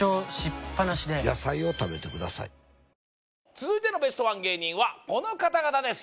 続いてのベストワン芸人はこの方々です